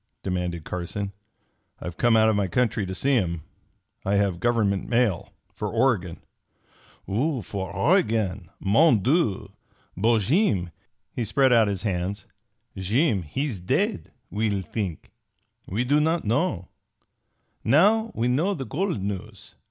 demanded Carson. "I've come out of my country to see him. I have government mail for Oregon." "For Oregon? Mon Dieu! But Jeem" he spread out his hands "Jeem he's dead, we'll think. We do not known. Now we know the gold news.